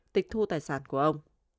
để tìm kiếm tài sản của ông